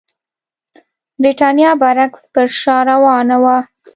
برېټانیا برعکس پر شا روانه وه.